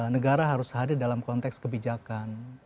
negara harus hadir dalam konteks kebijakan